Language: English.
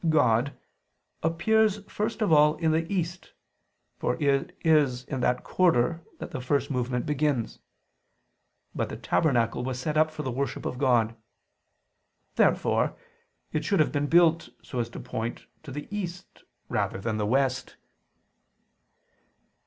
God, appears first of all in the east, for it is in that quarter that the first movement begins. But the tabernacle was set up for the worship of God. Therefore it should have been built so as to point to the east rather than the west.